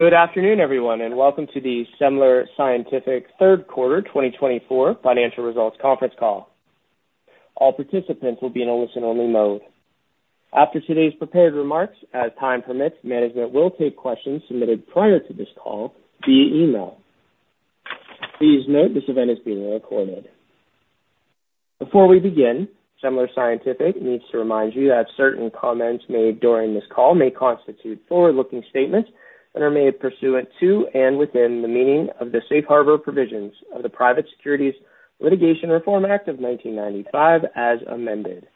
Good afternoon, everyone, and welcome to the Semler Scientific Third Quarter 2024 Financial Results Conference Call. All participants will be in a listen-only mode. After today's prepared remarks, as time permits, management will take questions submitted prior to this call via email. Please note this event is being recorded. Before we begin, Semler Scientific needs to remind you that certain comments made during this call may constitute forward-looking statements and are made pursuant to and within the meaning of the safe harbor provisions of the Private Securities Litigation Reform Act of 1995, as amended.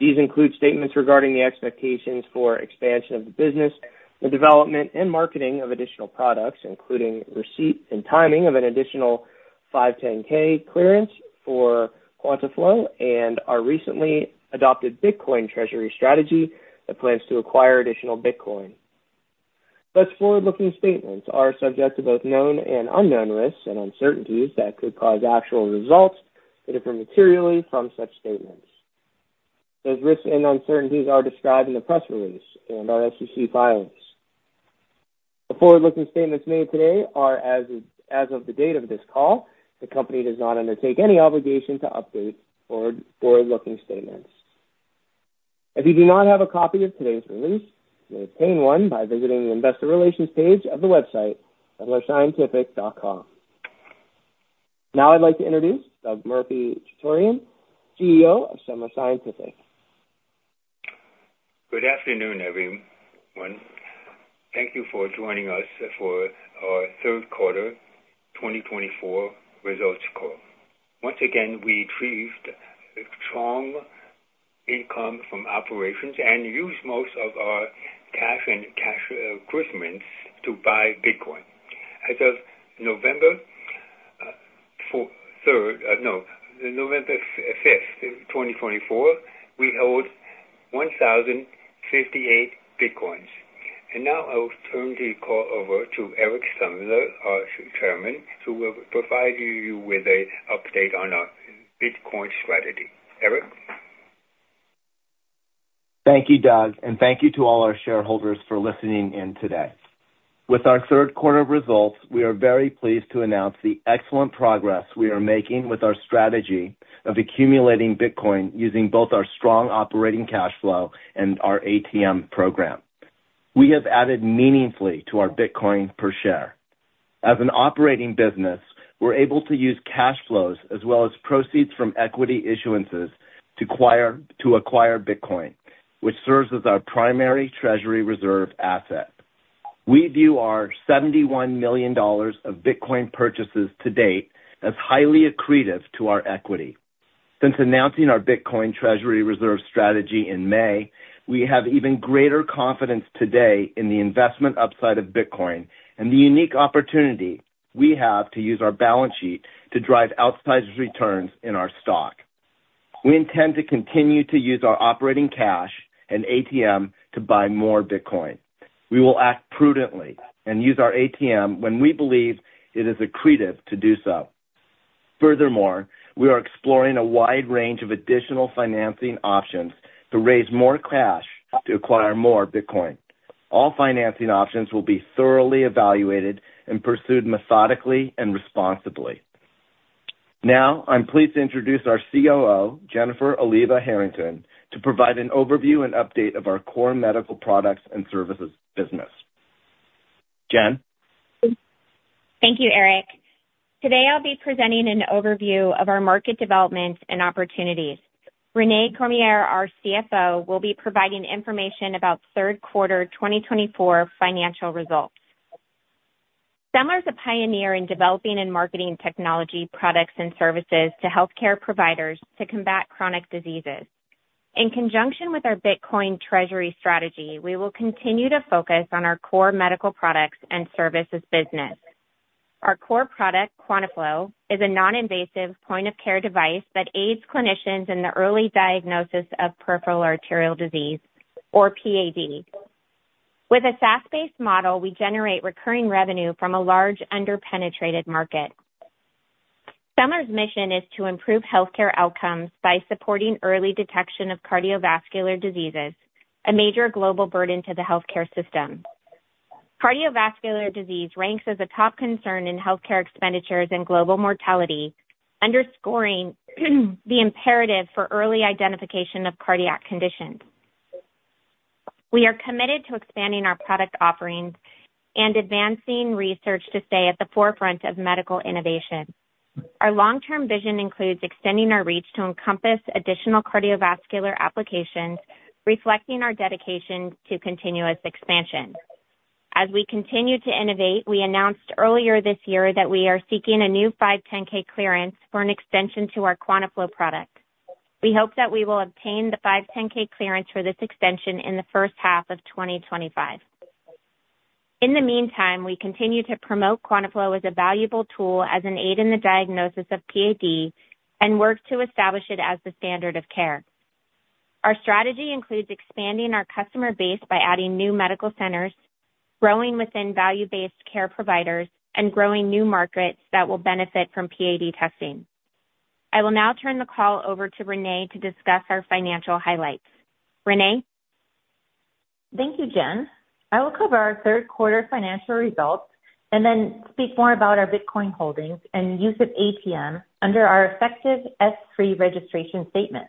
These include statements regarding the expectations for expansion of the business, the development and marketing of additional products, including receipt and timing of an additional 510(k) clearance for QuantaFlo, and our recently adopted Bitcoin treasury strategy that plans to acquire additional Bitcoin. Such forward-looking statements are subject to both known and unknown risks and uncertainties that could cause actual results that differ materially from such statements. Those risks and uncertainties are described in the press release and our SEC filings. The forward-looking statements made today are, as of the date of this call. The company does not undertake any obligation to update forward-looking statements. If you do not have a copy of today's release, you may obtain one by visiting the Investor Relations page of the website, semlerscientific.com. Now I'd like to introduce Doug Murphy-Chutorian, CEO of Semler Scientific. Good afternoon, everyone. Thank you for joining us for our Third Quarter 2024 Results Call. Once again, we achieved strong income from operations and used most of our cash and cash equivalents to buy Bitcoin. As of November 3rd, no, November 5th, 2024, we held 1,058 Bitcoins. And now I will turn the call over to Eric Semler, our chairman, who will provide you with an update on our Bitcoin strategy. Eric? Thank you, Doug, and thank you to all our shareholders for listening in today. With our third quarter results, we are very pleased to announce the excellent progress we are making with our strategy of accumulating Bitcoin using both our strong operating cash flow and our ATM program. We have added meaningfully to our Bitcoin per share. As an operating business, we're able to use cash flows as well as proceeds from equity issuances to acquire Bitcoin, which serves as our primary treasury reserve asset. We view our $71 million of Bitcoin purchases to date as highly accretive to our equity. Since announcing our Bitcoin treasury reserve strategy in May, we have even greater confidence today in the investment upside of Bitcoin and the unique opportunity we have to use our balance sheet to drive outsized returns in our stock. We intend to continue to use our operating cash and ATM to buy more Bitcoin. We will act prudently and use our ATM when we believe it is accretive to do so. Furthermore, we are exploring a wide range of additional financing options to raise more cash to acquire more Bitcoin. All financing options will be thoroughly evaluated and pursued methodically and responsibly. Now, I'm pleased to introduce our COO, Jennifer Oliva-Herrington, to provide an overview and update of our core medical products and services business. Jen? Thank you, Eric. Today, I'll be presenting an overview of our market developments and opportunities. Renae Cormier, our CFO, will be providing information about third quarter 2024 financial results. Semler is a pioneer in developing and marketing technology products and services to healthcare providers to combat chronic diseases. In conjunction with our Bitcoin treasury strategy, we will continue to focus on our core medical products and services business. Our core product, QuantaFlo, is a non-invasive point-of-care device that aids clinicians in the early diagnosis of Peripheral Arterial Disease, or PAD. With a SaaS-based model, we generate recurring revenue from a large under-penetrated market. Semler's mission is to improve healthcare outcomes by supporting early detection of cardiovascular diseases, a major global burden to the healthcare system. Cardiovascular disease ranks as a top concern in healthcare expenditures and global mortality, underscoring the imperative for early identification of cardiac conditions. We are committed to expanding our product offerings and advancing research to stay at the forefront of medical innovation. Our long-term vision includes extending our reach to encompass additional cardiovascular applications, reflecting our dedication to continuous expansion. As we continue to innovate, we announced earlier this year that we are seeking a new 510(k) clearance for an extension to our QuantaFlo product. We hope that we will obtain the 510(k) clearance for this extension in the first half of 2025. In the meantime, we continue to promote QuantaFlo as a valuable tool as an aid in the diagnosis of PAD and work to establish it as the standard of care. Our strategy includes expanding our customer base by adding new medical centers, growing within value-based care providers, and growing new markets that will benefit from PAD testing. I will now turn the call over to Renae to discuss our financial highlights. Renae? Thank you, Jen. I will cover our third quarter financial results and then speak more about our Bitcoin holdings and use of ATM under our effective S-3 registration statement.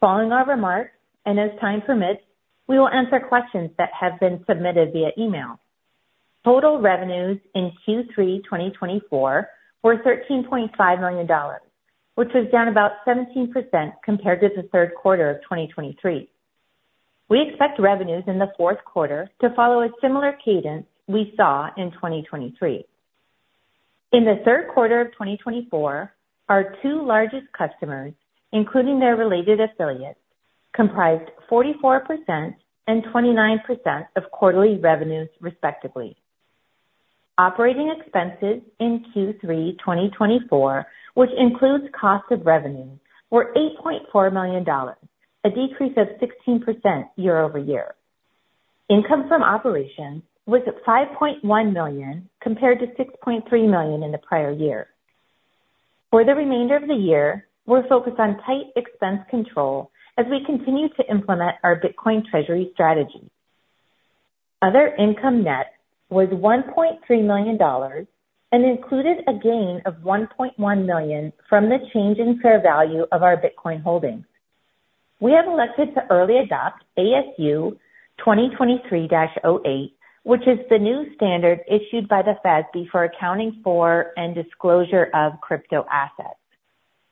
Following our remarks, and as time permits, we will answer questions that have been submitted via email. Total revenues in Q3 2024 were $13.5 million, which was down about 17% compared to the third quarter of 2023. We expect revenues in the fourth quarter to follow a similar cadence we saw in 2023. In the third quarter of 2024, our two largest customers, including their related affiliates, comprised 44% and 29% of quarterly revenues, respectively. Operating expenses in Q3 2024, which includes cost of revenue, were $8.4 million, a decrease of 16% year-over-year. Income from operations was $5.1 million compared to $6.3 million in the prior year. For the remainder of the year, we're focused on tight expense control as we continue to implement our Bitcoin treasury strategy. Other income net was $1.3 million and included a gain of $1.1 million from the change in fair value of our Bitcoin holdings. We have elected to early adopt ASU 2023-08, which is the new standard issued by the FASB for accounting for and disclosure of crypto assets.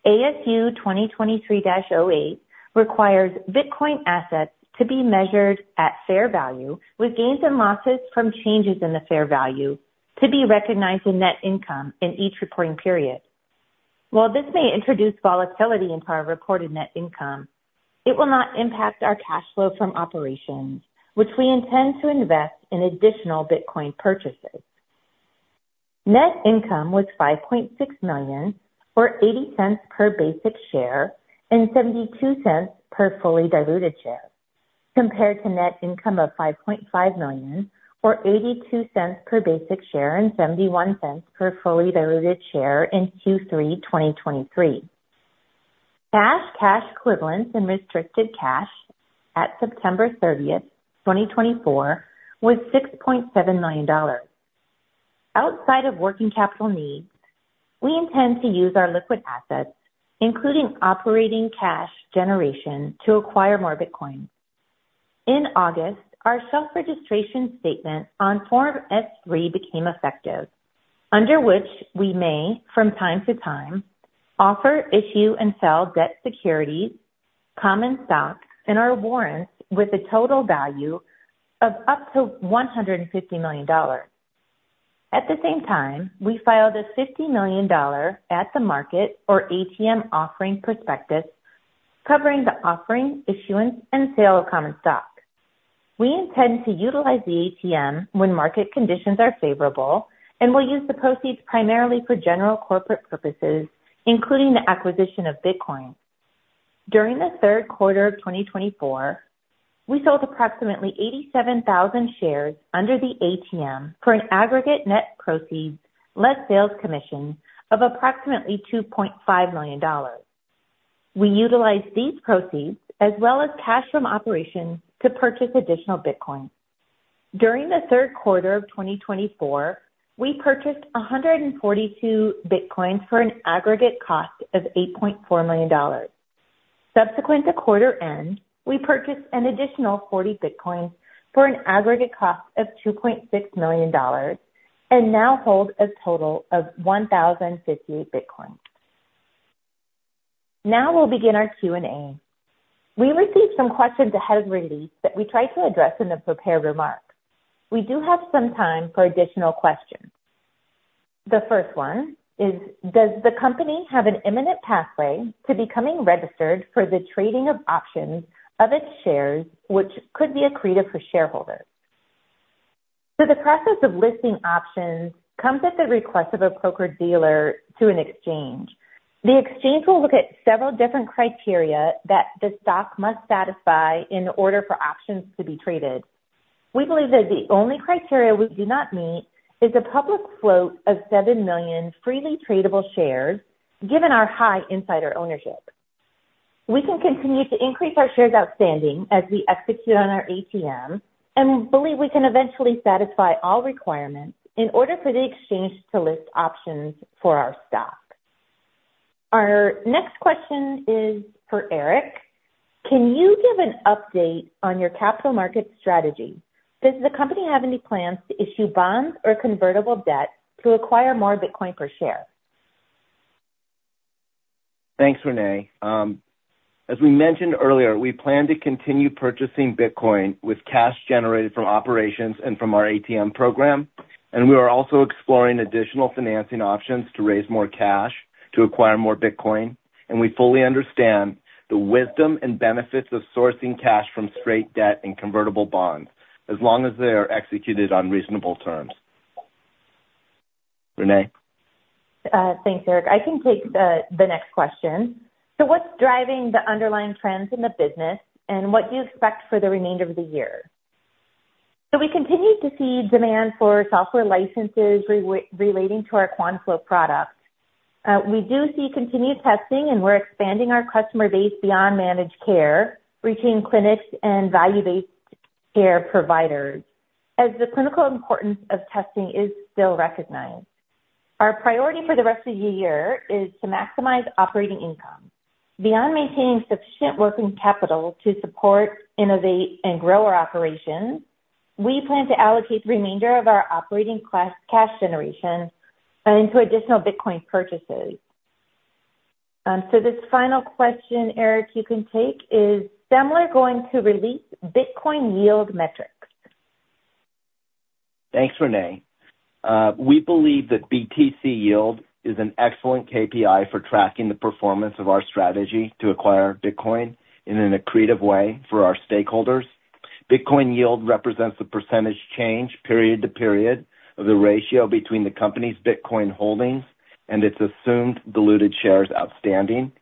ASU 2023-08 requires Bitcoin assets to be measured at fair value, with gains and losses from changes in the fair value to be recognized in net income in each reporting period. While this may introduce volatility into our reported net income, it will not impact our cash flow from operations, which we intend to invest in additional Bitcoin purchases. Net income was $5.6 million, or $0.80 per basic share and $0.72 per fully diluted share, compared to net income of $5.5 million, or $0.82 per basic share and $0.71 per fully diluted share in Q3 2023. Cash equivalents and restricted cash at September 30th, 2024, was $6.7 million. Outside of working capital needs, we intend to use our liquid assets, including operating cash generation, to acquire more Bitcoin. In August, our shelf registration statement on Form S-3 became effective, under which we may, from time to time, offer, issue, and sell debt securities, common stocks, and our warrants with a total value of up to $150 million. At the same time, we filed a $50 million at-the-market or ATM offering prospectus covering the offering, issuance, and sale of common stock. We intend to utilize the ATM when market conditions are favorable and will use the proceeds primarily for general corporate purposes, including the acquisition of Bitcoin. During the third quarter of 2024, we sold approximately 87,000 shares under the ATM for an aggregate net proceeds less sales commission of approximately $2.5 million. We utilized these proceeds as well as cash from operations to purchase additional Bitcoin. During the Third Quarter of 2024, we purchased 142 Bitcoins for an aggregate cost of $8.4 million. Subsequent to quarter end, we purchased an additional 40 Bitcoins for an aggregate cost of $2.6 million and now hold a total of 1,058 Bitcoins. Now we'll begin our Q&A. We received some questions ahead of release that we tried to address in the prepared remarks. We do have some time for additional questions. The first one is, does the company have an imminent pathway to becoming registered for the trading of options of its shares, which could be accretive for shareholders? So the process of listing options comes at the request of a broker-dealer to an exchange. The exchange will look at several different criteria that the stock must satisfy in order for options to be traded. We believe that the only criteria we do not meet is a public float of seven million freely tradable shares, given our high insider ownership. We can continue to increase our shares outstanding as we execute on our ATM and believe we can eventually satisfy all requirements in order for the exchange to list options for our stock. Our next question is for Eric. Can you give an update on your capital market strategy? Does the company have any plans to issue bonds or convertible debt to acquire more Bitcoin per share? Thanks, Renae. As we mentioned earlier, we plan to continue purchasing Bitcoin with cash generated from operations and from our ATM program, and we are also exploring additional financing options to raise more cash to acquire more Bitcoin, and we fully understand the wisdom and benefits of sourcing cash from straight debt and convertible bonds as long as they are executed on reasonable terms. Renae? Thanks, Eric. I can take the next question. So what's driving the underlying trends in the business, and what do you expect for the remainder of the year? So we continue to see demand for software licenses relating to our QuantaFlo product. We do see continued testing, and we're expanding our customer base beyond managed care, reaching clinics and value-based care providers as the clinical importance of testing is still recognized. Our priority for the rest of the year is to maximize operating income. Beyond maintaining sufficient working capital to support, innovate, and grow our operations, we plan to allocate the remainder of our operating cash generation into additional Bitcoin purchases. So this final question, Eric, you can take, is Semler going to release Bitcoin yield metrics? Thanks, Renae. We believe that BTC yield is an excellent KPI for tracking the performance of our strategy to acquire Bitcoin in an accretive way for our stakeholders. Bitcoin yield represents the percentage change, period to period, of the ratio between the company's Bitcoin holdings and its assumed diluted shares outstanding.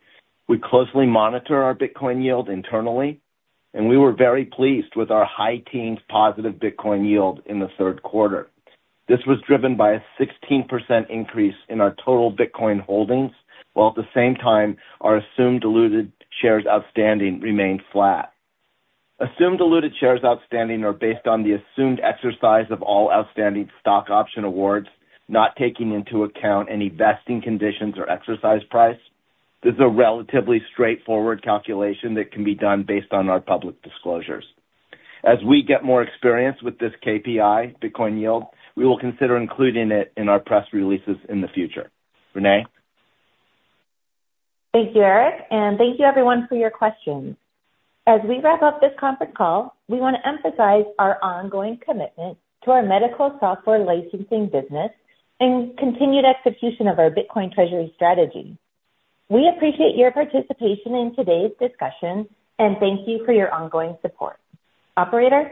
We closely monitor our Bitcoin yield internally, and we were very pleased with our high-teens positive Bitcoin yield in the third quarter. This was driven by a 16% increase in our total Bitcoin holdings, while at the same time, our assumed diluted shares outstanding remained flat. Assumed diluted shares outstanding are based on the assumed exercise of all outstanding stock option awards, not taking into account any vesting conditions or exercise price. This is a relatively straightforward calculation that can be done based on our public disclosures. As we get more experience with this KPI, Bitcoin yield, we will consider including it in our press releases in the future. Renae? Thank you, Eric. And thank you, everyone, for your questions. As we wrap up this conference call, we want to emphasize our ongoing commitment to our medical software licensing business and continued execution of our Bitcoin Treasury strategy. We appreciate your participation in today's discussion, and thank you for your ongoing support. Operator?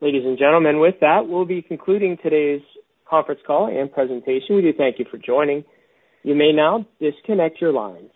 Ladies and gentlemen, with that, we'll be concluding today's conference call and presentation. We do thank you for joining. You may now disconnect your lines.